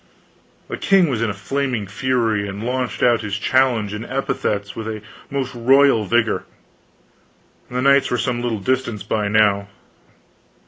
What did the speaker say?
The king was in a flaming fury, and launched out his challenge and epithets with a most royal vigor. The knights were some little distance by now.